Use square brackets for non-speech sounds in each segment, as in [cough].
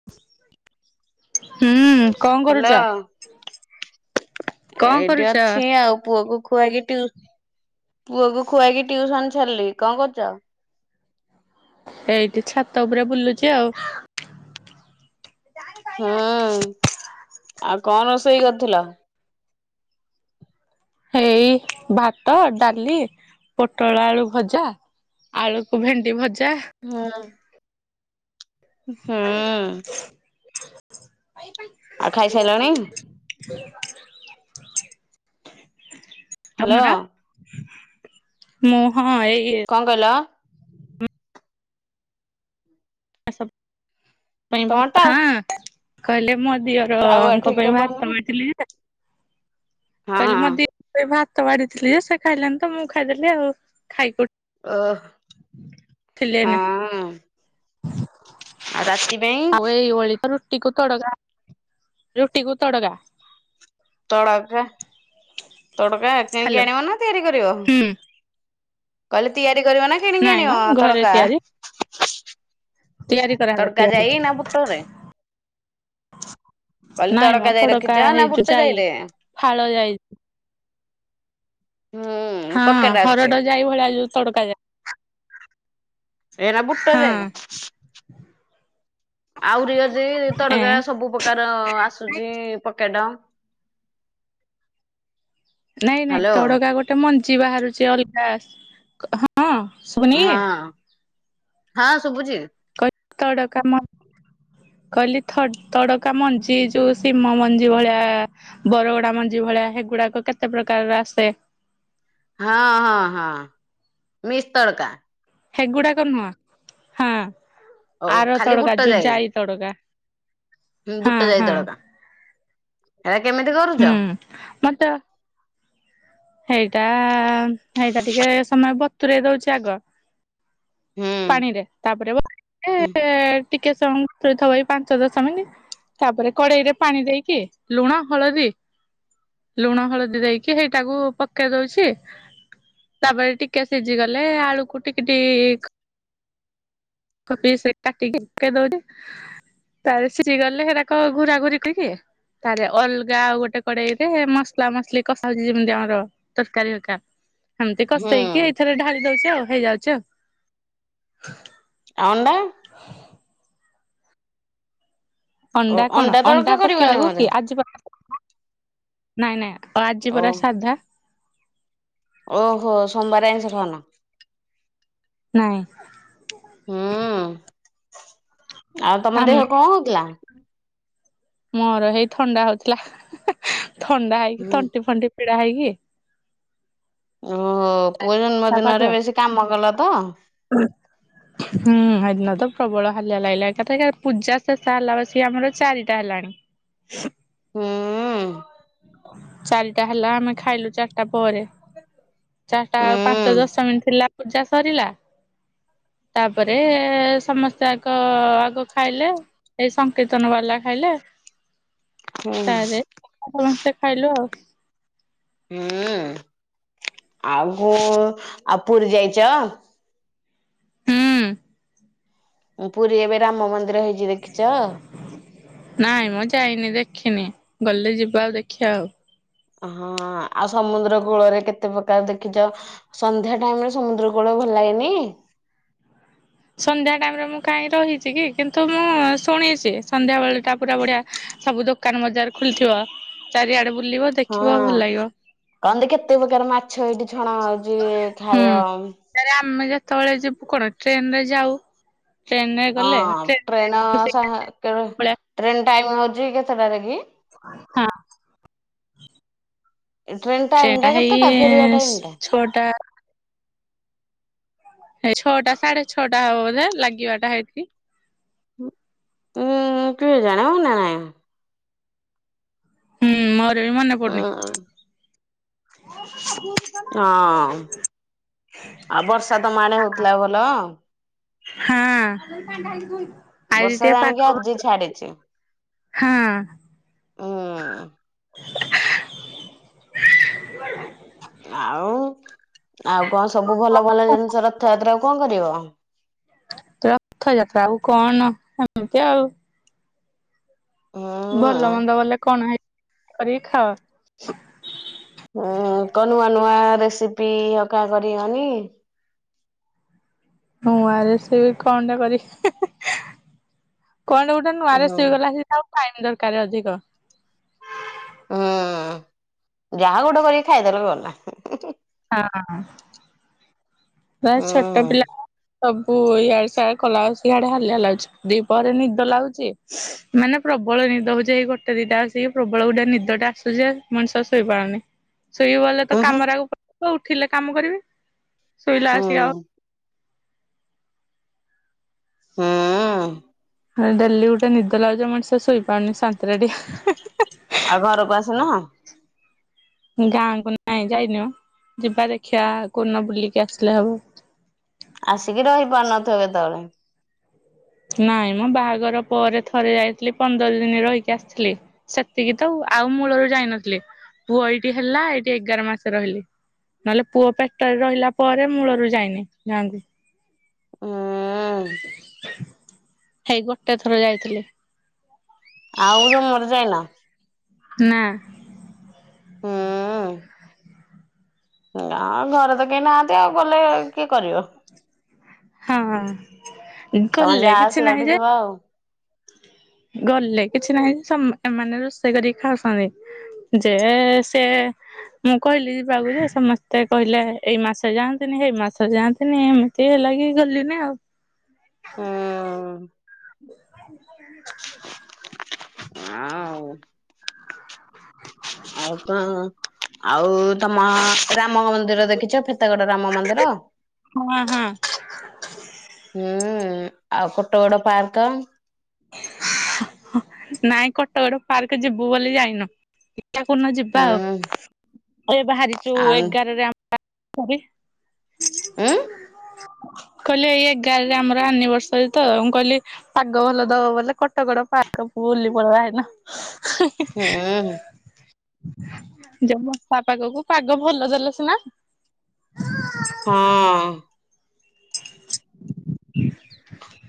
[inaudible] ହୁଁ କଣ କରୁଛ? ହ୍ୟାଲୋ କଣ ଏଇଠି କରୁଛ? ଅଛି ଆଉ ପୁଅକୁ ଖୁଆଇକି ପୁଅକୁ ଖୁଆଇକି ଟିଉସନ ଛାଡିଲି। କଣ କରୁଛ? ଏଇଠି ଛାତ ଉପରେ ବୁଲୁଚି ଆଉ। ହୁଁ ଆଉ କଣ ରୋଷେଇ କରିଥିଲ? ଏଇ ଭାତ ଡାଲି ପୋଟଳ ଆଳୁ ଭଜା ଆଳୁକୁ ଭେଣ୍ଡି ଭଜା। ହୁଁ। ଉଁ ହୁଁ। ପାଇଁ ଆଉ ଖାଇସାରିଲାଣି? ହ୍ୟାଲୋ ତମେ? ମୁଁ ହଁ ଏଇ କଣ କହିଲ? ସ ତମର ଟା ଭଥା [inaudible] କହିଲେ ମ ଟାୱା ଦିଅରଙ୍କ ଠିକ ରେ ପାଇଁ ମୁଁ ହାତ ପାଉନି। ବାଡ଼ିଥିଲି ଯେ ହଁ କହିଲି ମୋ ଦି ଭାତ ବାଢ଼ିଥିଲି ଯେ ସେ ଖାଇଲେନି ତ ମୁଁ ଖାଇଦେଲି ଆଉ ଖାଇକିଉଠ ଓହ। ଥିଲେ ଏଇନେ ଆଉ ରାତି ପାଇଁ ଆଉ ଏଇ ଓଳି କର ରୁଟିକୁ ତଡଗା ରୁଟି କୁ ତଡଗା। ତଡକା ତଡ଼କା କିଣିକି ହ୍ୟାଲୋ ଆଣିବ ନା ତିଆରି କରିବ? ହୁଁ କହିଲି ତିଆରି କରିବ ନା କିଣିକି ନାଇଁ ମ ଆଣିବ ଘରେ ତଡକା? ତିଆରି ତିଆରି କରାହବ ତଡକା ତିଆରି। ଯାଇନା ବୁଟରେ? କହିଲି ନାଇଁ ମ ତଡ଼କା ଯାଇ ତଡକା ରଖିଛ ନା ହେଇ ଯୋଉ ବୁଟ ଯାଇ ଯାଇରେ? ଫାଳ ଯାଇ ହୁଁ। ହଁ ପକେଟ ଆସୁଛି ହରଡ ଯାଇ ଭଳିଆ ଯୋଉ ତଡକା ଯାଇ। ଏଟ ବୁଟ ହଁ ଯାଇ। ଆହୁରି ଅଜି ଏଁ ତଡକା ସବୁ ପ୍ରକାର ଆସୁଛି ପକେଟ। ନାଇଁ ନାଇଁ ହ୍ୟାଲୋ ତଡକା ଗୋଟେ ମଞ୍ଜି ବାହାରୁଛି ଅଲଗା ହଁ ଶୁଭୁନି ହଁ ହଁ ଶୁଭୁଛି। କହିଲି ତଡ଼କା ମ କହିଲି ଥ ତଡକା ମଞ୍ଜି ଯୋଉ ଶିମ ମଞ୍ଜି ଭଳିଆ ବରଗଡା ମଞ୍ଜି ଭଳିଆ ହେଗୁଡାକ କେତେ ପ୍ରକାରର ଆସେ। ହଁ ହଁ ହଁ ମିକ୍ସ ତଡକା। ହେଗୁଡାକ ନୁହଁ ହଁ ଓ ଆର ଖାଲି ତଡକା ବୁଟ ଯଉ ଯାଇ ତଡକା ହଁ ବୁଟ ଯାଇ ହଁ ତଡ଼କା ହେରା କେମିତି କରୁଛ? [inaudible] ମ ତ ହେଇଟା ହେଇଟା ଟିକେ ସମୟ ବତୁରେଇ ଦଉଛି ଆଗ। ହୁଁ ପାଣିରେ ତାପରେ ଟିକେ ସମୟ ବତୁରେଇଥବ ଏ ପାଞ୍ଚ ଦଶ ମିନିଟ। ତାପରେ କଡେଇ ରେ ପାଣି ଦେଇକି ଲୁଣ ହଳଦୀ ଲୁଣ ହଳଦୀ ଦେଇକି ସେଇଟାକୁ ପକେଇ ଦଉଛି ତାପରେ ଟିକେ ସିଝି ଗଲେ ଆଳୁକୁ ଟିକି ଟିକି ପିସରେ କାଟିକି ପକେଇ ଦଉଚି। ତାରେ ସିଜିଗଲେ ହେରାକ ଘୁରା ଘୁରି କରିକି ତାରେ ଅଲଗା ଆଉ ଗୋଟେ କଡେଇରେ ମସଲା ମସଲି କଷା ହଉଛି ଜିମିତି ଆମର ତରକାରୀ ହରକା ହେମତି ହୁଁ କଷେଇକି ଏଇଥେରେ ଢାଳି ଦଉଛି ଆଉ ହେଇଯାଉଛି ଆଉ। ଅଣ୍ଡା। ହ ଓ ଅଣ୍ଡା କଣ ତଡକା ଅଣ୍ଡା କରିବନି ପକେଇବାକୁ ବୋଧେ କି ଆଜିପା ନାଇଁ ନାଇଁ ଆଉ ଆଜି ଓ ପରା ସାଧା। ଓହୋ ସୋମବାର ଆଇଁସ ଖାଉନ? ନାଇଁ। ହୁଁ ଆଉ ତମ ଆମେ ଦେହ କଣ ହଉଥିଲା? ମୋର ହେଇ ଥଣ୍ଡା ହଉଥିଲା ଥଣ୍ଡା ହେଇକି ହୁଁ ତଣ୍ଟି ଫଣ୍ଟି ପିଡା ହେଇକି ଓହୋ ପୁଅ ଜନ୍ମ ଦିନରେ ବେଶୀ କାମ କଲ ତ। ହୁଁ। ହୁଁ ହେଦିନ ତ ପ୍ରବଳ ହାଲିଆ ଲାଗିଲା ଏକାଥରକେ ପୂଜା ଶେଷ ହେଲା ବଳିକିସି ଆମର ଚାରିଟା ହେଲାଣି। ହୁଁ। ଚାରିଟା ହେଲା ଆମେ ଖାଇଲୁ ଚାରିଟା ପରେ। ଚାରିଟା ଆଉ ହୁଁ ପାଞ୍ଚଟା ଦଶ ମିନିଟ ହେଲା ପୂଜା ସରିଲା। ତାପରେ ସମସ୍ତେ ଆଗ ଆଗ ଖାଇଲେ ଏଇ କୀର୍ତ୍ତନ ବାଲା ଖାଇଲେ ହୁଁ ତାରେ ସମସ୍ତେ ଖାଇଲୁ ଆଉ। ହୁଁ ଆଉ ଆଉ ପୁରୀ ଯାଇଛ? ହୁଁ। ପୁରୀ ଏବେ ରାମ ମନ୍ଦିର ହେଇଛି ଦେଖିଛ? ନାଇଁ ମ ଯାଇନି ଦେଖିନି ଗଲେ ଯିବା ଆଉ ଦେଖିବା ଆଉ। ହଁ ଆଉ ସମୁଦ୍ର କୂଳରେ କେତେ ପ୍ରକାର ଦେଖିଛ? ସନ୍ଧ୍ୟା ଟାଇମରେ ସମୁଦ୍ର କୂଳ ଭଲ ଲାଗେନି? ସନ୍ଧ୍ୟା ଟାଇମରେ ମୁଁ କାଇଁ ରହିଛି କି କିନ୍ତୁ ମୁଁ ଶୁଣିଛି ସନ୍ଧ୍ୟା ବେଳେ ଟା ପୁରା ବଢିଆ ସବୁ ଦୋକାନ ବଜାର ଖୁଲିଥିବ ଚାରିଆଡେ ବୁଲିବ ହଁ ଦେଖିବ ଭଲ ଲାଗିବ କହନ୍ତି କେତେ ପ୍ରକାର ମାଛ ହେଇଠି ଛଣା ହଉଛି ଖାଇବ। ଏରେ ଆମେ ଯେତେବେଳେ ଯିବୁ କଣ ଟ୍ରେନ ରେ ଯାଉ ଟ୍ରେନ ରେ ହଁ ଗଲେ ଟ୍ରେନ ଶହେ ପଳେଇ ଟ୍ରେନ ଟାଇମ ହଉଛି କେତେଟା ରେ କି? ହଁ। ଟ୍ରେନ ଟାଇମ ଟ୍ରେନଟା ଟା ହେଇ କେତେଟା ଫେରିବା ଟାଇମ ଟା ଛଅଟା ହେଇ ଛଅଟା ସାଢେ ଛଅଟା ହବ ବୋଧେ ଲାଗିବା ଟା ହେଇକି ଉଁ କେଜାଣି ମନେ ନାଇ। ହୁଁ ମୋର ବି ମନେ ପଡୁନି। ହଁ [unintelligible] ହଁ ଆଉ ବର୍ଷା ତମ ଆଡେ ହଉଥିଲା ଭଲ? ହଁ ଆଜି ବର୍ଷା ଟିକେ ଜାଣିକି ପାଗ ଆଜି [unintelligible] ଛାଡିଛି ହଁ। ହୁଁ। ଆଉ ଆଉ କଅ ସବୁ ଭଲ ଭଲ ଜିନିଷ ରଥଯାତ୍ରା କଅ କରିବ? ରଥଯାତ୍ରା ଆଉ କଣ ଏମିତି ଆଉ। ହୁଁ। ଭଲ ମନ୍ଦ ବଲେ କଣ ହେଇ କରିକି ଖାଅ। ଉଁ କ ନୂଆ ନୂଆ ରେସିପି ହକା କରିିବନି? ନୂଆ ରେସିପି କଣଟା କରିବି କଣଟା ଗୋଟେ ହୁଁ ନୂଆରେସିପି ଗଲା ଆଉ ଫାଇନ ଦରକାର ଅଧିକ। ହୁଁ ଯାହା ଗୋଟେ କରିକି ଖାଇଦେଲେ ଗଲା। ହଁ ବାସ୍ ହୁଁ ଛୋଟ ପିଲା ସବୁ ଇଆଡେ ସିଆଡେ କଲାବଳକୁ ଇଆଡେ ହାଲିଆ ଲାଗୁଛି ଦିପହରେ ନିଦ ଲାଗୁଛି। ମାନେ ପ୍ରବଳ ନିଦ ହଉଛି ଏଇ ଗୋଟେ ଦିଟା ଆସିକି ପ୍ରବଳ ଗୋଟେ ନିଦ ଟା ଆସୁଛି ଯେ ମଣିଷ ଶୋଇପାରୁନି। ଶୋଇବ ବଲେ ତ ହୁଁ କାମରାକୁ ପଡ଼ିଥିବ ଉଠିଲେ କାମ କରିବି ଶୋଇଲା ହୁଁ ଆସି ଆଉ ହଁ ଅଁ ଡେଲି ଗୁଟେ ନିଦ ଲାଗୁଚି ଯେ ମଣିଷ ଶୋଇପାରୁନି ସାନ୍ତିରେ ଟିକେ। ଆଉ ଘରକୁ ଆସୁନ? ଗାଁ କୁ ନାଇଁ ଯାଇନି ମ ଯିବା ଦେଖିଆ କୋଉ ଦିନ ବୁଲିକି ଆସିଲେ ହବ। ଆସିକି ରହିପାରୁନଥିବ କେତେବେଳେ? ନାଇଁ ମ ବାହାଘର ପରେ ଥରେ ଯାଇଥିଲି ପନ୍ଦର ଦିନି ରହିକି ଆସିଥିଲି। ସେତିକି ତ ଆଉ ଆଉ ମୂଳରୁ ଯାଇନଥିଲି ପୁଅ ଏଇଠି ହେଲା ଏଇଠି ଏଗାର ମାସ ରହିଲି। ନହେଲେ ପୁଅ ପେଟରେ ରହିଲା ପରେ ମୂଳରୁ ଯାଇନି ଗାଁ କୁ। ହୁଁ ହେଇ ଗୋଟେ ଥର ଯାଇଥିଲି। ଆଉ ଜମାରୁ ଯାଇନ? ନା। ହୁଁ ଉଁ ଗାଁ ଘରେ ତ କେହି ନାହାନ୍ତି ଆଉ ଗଲେ କିଏ କରିବ। ହଁ ତମ ଯା ଗଲେ କିଛି ଆସିଲାଠୁ ନାହିଁ ଯେ ଯିବା ଆଉ। ଗଲେ କିଛି ନାହିଁ ସମ୍ ଏମାନେ ରୋଷେଇ କରିକି ଖାଉଛନ୍ତି। ଯେ ସେ ମୁଁ କହିଲି ଯିବାକୁ ଯେ ସମସ୍ତେ କହିଲେ ଏଇ ମାସରେ ଯାଆନ୍ତିନି ସେଇ ମାସରେ ଯାଆନ୍ତିନି ଏମତି ସେହା ଲାଗି ଗଲି ନା ଆଉ। ହୁଁ [unintelligible] ଆଁ ଉଁ ଆଉ କଣ ଆଉ ତମ ରାମ ମନ୍ଦିର ଦେଖିଚ? ଫତେଗଡ ରାମ ମନ୍ଦିର। ହୁଁ ହୁଁ। ହୁଁ ଆଉ କୋଟଗଡ଼ ପାର୍କ। ନାଇଁ କୋଟଗଡ଼ ପାର୍କ ଯିବୁ ବୋଲି ଯାଇନୁ। ଦେଖିଆ କୋଉଦିନ ଯିବା ହୁଁ ଆଉ ଏ ବାହାରିଚୁ ଆଉ ଏଗାର ରେ ଆମ [unintelligible] ଉଁ କହିଲେ ଏଇ ଏଗାରରେ ଆମର ଆନିଭର୍ସରୀ ତ ମୁଁ କହିଲି ପାଗ ଭଲ ଦବ ବୋଲେ କୋଟଗଡ଼ ପାର୍କ ବୁଲି ପଳେଇବା ସେଦିନ। ହୁଁ। ଯେ ବର୍ଷା ପାଗକୁ ପାଗ ଭଲ ଦେଲେ ସିନା ହଁ।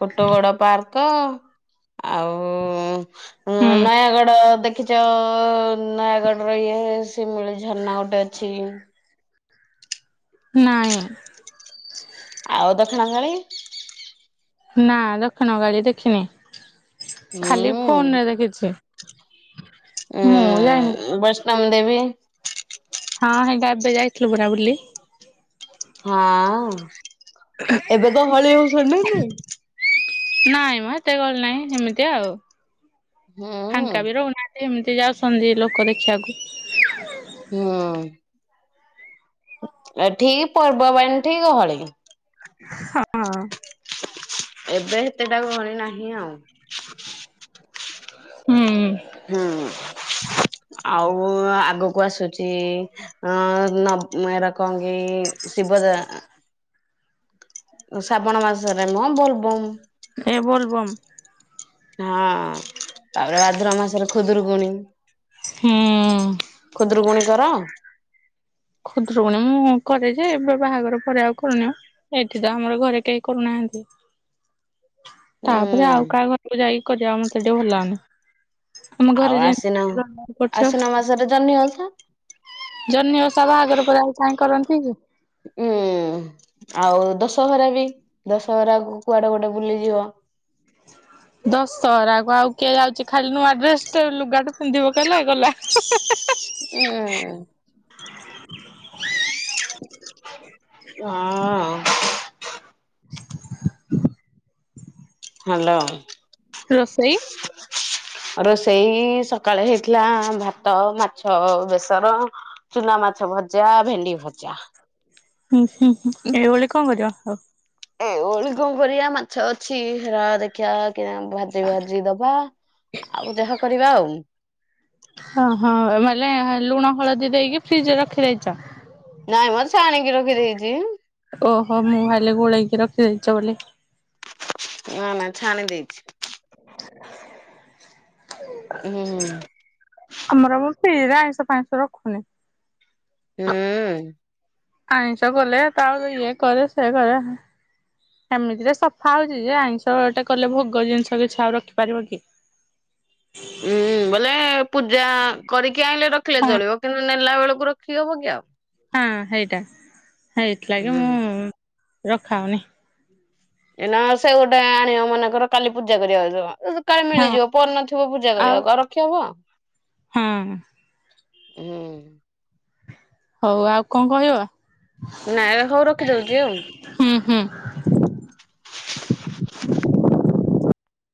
କୋଟଗଡ଼ ପାର୍କ ଆଉ ହୁଁ ଅଁ ନୟାଗଡ଼ ଦେଖିଚ ନୟାଗଡ଼ ର ଇଏ ଶିମିଳି ଝରଣା ଗୋଟେ ଅଛି। ନାଇଁ। ଆଉ ଦକ୍ଷିଣକାଳି? ନା ଦକ୍ଷିଣ କାଳି ଦେଖିନି ଖାଲି ହୁଁ ଫୋନ ରେ ଦେଖିଛି। ମୁଁ ଯାଇନି ଉଁ ବୈଷ୍ଣବୀ ଦେବୀ? ହଁ ହେଇଟା ଏବେ ଯାଇଥିଲୁ ପରା ବୁଲି। ହଁ ଏବେ ଗହଳି ହଉଛନ୍ତି ନାଇଁ? ନାଇଁ ମ ଏତେ ଗହଳି ନାଇଁ ହେମିତି ଆଉ ହୁଁ ଫାଙ୍କା ବି ରହୁନା ଏମିତି ଯାଉଛନ୍ତି ଲୋକ ଦେଖିଆକୁ। ହୁଁ। ଏ ଠିକ ପର୍ବବାଣିୀ ଠିକ ଗହଳି। ହଁ ହଁ। ଏବେ ସେତେଟା ଗହଳି ନାହିଁ ଆଉ। ହୁଁ। ହୁଁ। ଆଉ ଆଗକୁ ଆସୁଛି। ଏରା କଣ କି ଶିବ ପୂଜା। ଶ୍ରାବଣ ମାସରେମ ବୋଲବମ୍। ଏ ବୋଲବମ। ହଁ ତାପରେ ଭାଦ୍ରବ ମାସରେ ଖୁଦୁୁରୁକୁଣି। ହୁଁ। ଖୁଦୁରୁକୁଣିଙ୍କର। ଖୁଦରୁକୁଣି ମୁଁ କରେ ଯେ ଏବେ ବାହାଘର ପରେ ଆଉ କରୁନି ଆଉ। ଏଠିତ ଆମର ଘରେ କେହି କରୁନାହାନ୍ତି। ତାପରେ ଆଉ ହୁଁ କାହା ଘରକୁ ଯାଇକି କରିବା ମତେ ଟିକେ ଭଲ ଲାଗୁନି। ଆମ ଆଉ ଘରେ ଯେ ଆଶ୍ଵିନ କରୁଚ ଆଶ୍ଵିନ ମାସରେ ଜହ୍ନି ଓଷା। ଜହ୍ନିଓଷା। ବାହାଘର ପରେ କାହିଁ କରନ୍ତି କି। ହୁଁ। ଆଉ ଦଶହରା ବି ଦଶହରା କୁଆଡେ ଗୋଟେ ବୁଲିଯିବ। ହଁ। ଦଶହରାକୁ ଆଉ କିଏ ଯାଉଛି ଖାଲି ନୂଆ ଡ୍ରେସଟେ ଲୁଗାଟେ ପିନ୍ଧି ପକେଇହେଲେ ଗଲା। ହ୍ନୁ। ହଁ। ହ୍ୟାଲୋ। ରୋଷେଇ। ରୋଷେଇ ସକାଳେ ହେଇଥିଲା ଭାତ ମାଛ ବେସର। ଚୁନା ମାଛ ଭଜା ଭେଣ୍ଡି ଭଜା। ହୁଁ ହୁଁ ଏଇଭଳି କଣ କରିବା ଆଉ। ଏଓଳି କଣ କରିବା ମାଛ ଅଛି ରହ ଦେଖିବା। ଭାଜି ଦେବା ଆଉ ଯାହା କରିବା ଆଉ। ଓହୋ ମାନେ ଲୁଣ ହଳଦୀ ଦେଇକି ଫ୍ରିଜରେ ରଖିଦେଇଛ। ନାଇମ ଛାଣିକି ରଖି ଦେଇଛିି। ଓହୋ ମୁଁ ଭାବିଲି ଗୋଳେଇକି ରଖିଦେଇଛ ବୋଲି। ନା ନା ଛାଣି ଦେଇଛି। ହୁଁ ଆମର। ଫ୍ରିଜିରେ ଆାଇଁଶ ଫାଇଁଶ ରଖୁନି। ହୁଁ। ଆଇଁଷ କଲେ ଇଏ କରେ ସିଏ କରେ। ଏମିତିରେ ସଫା ହଉଛି ଯେ। ଆଇଁଷଟେ କଲେ ଭୋଗ ଜିନିଷ କିଛି ଆଉ ରଖିପାରିବ କି। ଉଁ। ବୋଲେ ପୂଜା କରିକି ଆଣିଲେ ରଖିଲେ ହଁ। ଚଳିବ କିନ୍ତୁ ନେଲା ବେଳକୁ ରଖିକି ହବ କି ଆଉ। ହଁ ସେଇଟା ହେଇଥିଲାଗି ହୁଁ। ମୁଁ ରଖା ହଉନି। ଏଇନା ସେ ଗୋଟେ ଆଣିବ ମନେଙ୍କର କାଲି ପୂଜା କରିବା ଯିବ। ସକାଳେ ହଁ। ମିଳିଯିବ ଫୋନ ନଥିବପୂଜା କରିବାକୁ ଆଉ ରଖିବ କଣ। ହଁ ହୁଁ। ହୋଉ ଆଉ କଣ କହିବ? ନାଇବା ଖବର ରଖି ଦଉଛି ଆଉ। ହୁଁ ହୁଁ।